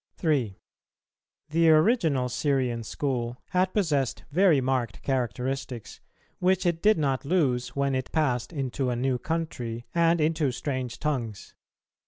[287:2] 3. The original Syrian School had possessed very marked characteristics, which it did not lose when it passed into a new country and into strange tongues.